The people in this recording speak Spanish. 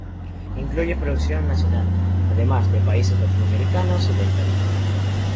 Incluye producción nacional, además de países latinoamericanos y del Caribe.